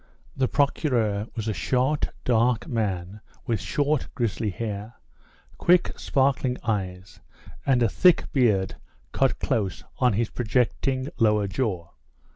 The Procureur was a short, dark man, with short, grizzly hair, quick, sparkling eyes, and a thick beard cut close on his projecting lower jaw.